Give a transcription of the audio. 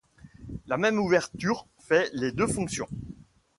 La même ouverture fait les deux fonctions.